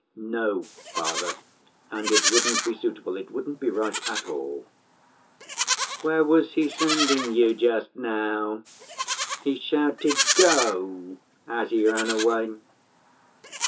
"No, father, and it wouldn't be suitable, it wouldn't be right at all." "Where was he sending you just now? He shouted 'Go' as he ran away."